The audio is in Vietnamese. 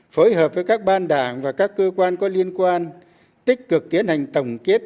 phối hợp với các ban đảng và các cơ quan có liên quan tích cực tiến hành tổng kết